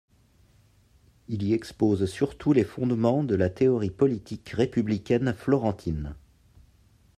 Il y expose surtout les fondements de la théorie politique républicaine florentine.